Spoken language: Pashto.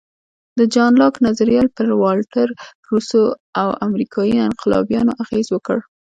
د جان لاک نظریات پر والټر، روسو او امریکایي انقلابیانو اغېز وکړ.